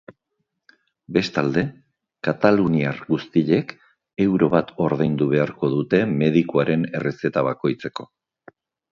Bestalde, kataluniar guztiek euro bat ordaindu beharko dute medikuaren errezeta bakoitzeko.